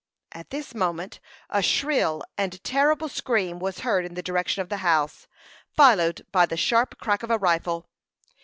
At this moment a shrill and terrible scream was heard in the direction of the house, followed by the sharp crack of a rifle.